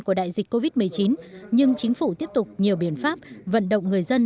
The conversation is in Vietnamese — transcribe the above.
của đại dịch covid một mươi chín nhưng chính phủ tiếp tục nhiều biện pháp vận động người dân